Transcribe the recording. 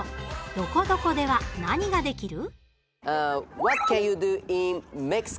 どこどこでは何ができる？